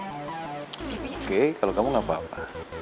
oke kalau kamu gak apa apa